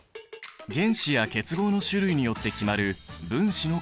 原子や結合の種類によって決まる分子の形。